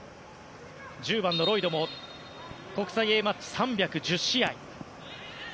１０番のロイドも国際Ａマッチ３１０試合。